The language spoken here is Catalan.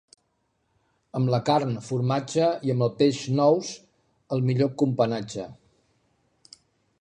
Amb la carn, formatge, i amb el peix, nous, el millor companatge.